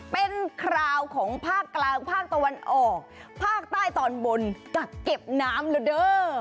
เป็นคราวของภาคกลางภาคตะวันออกภาคใต้ตอนบนกักเก็บน้ำแล้วเด้อ